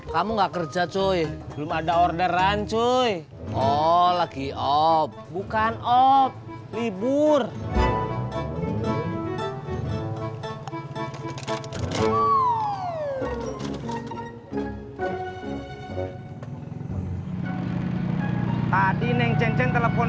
kamu gak kerja cuy belum ada orderan cuy oh lagi op bukan op libur tadi neng cincin telepon